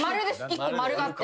１個○があって。